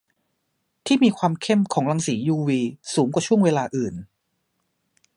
ที่มีความเข้มของรังสียูวีสูงกว่าช่วงเวลาอื่น